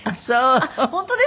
「あっ本当ですか？」